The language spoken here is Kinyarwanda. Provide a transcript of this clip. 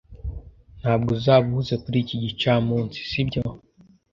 Ntabwo uzaba uhuze kuri iki gicamunsi, sibyo?